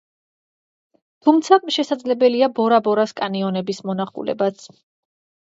თუმცა, შესაძლებელია ბორა-ბორას კანიონების მონახულებაც.